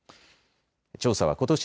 調査はことし